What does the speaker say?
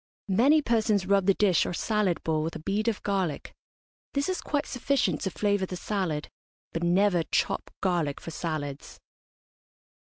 Many persons rub the dish or salad bowl with a bead of garlic. This is quite sufficient to flavour the salad; but never chop garlic for salads.